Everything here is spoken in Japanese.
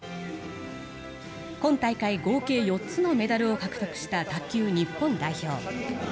今大会合計４つのメダルを獲得した卓球日本代表。